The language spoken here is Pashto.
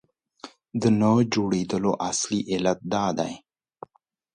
د نه جوړېدلو اصلي علت دا دی.